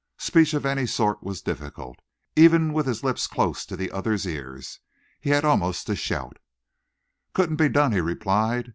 Speech of any sort was difficult. Even with his lips close to the other's ears, he had almost to shout. "Couldn't be done," he replied.